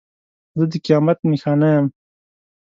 زه د قیامت نښانه یم.